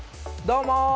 どうも！